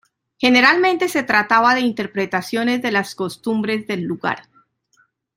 Generalmente se trataba de interpretaciones de las costumbres del lugar.